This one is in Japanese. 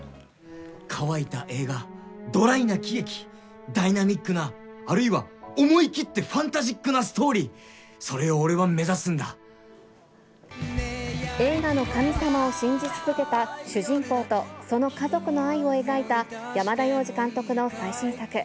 乾いた映画、ドライな喜劇、ダイナミックな、あるいは思い切ってファンタジックなストーリー、映画の神様を信じ続けた主人公と、その家族の愛を描いた山田洋次監督の最新作。